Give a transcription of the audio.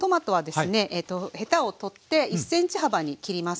ヘタを取って１ｃｍ幅に切ります。